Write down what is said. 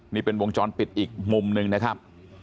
นี่เป็นวงจรปิดอีกมุมหนึ่งนะครับ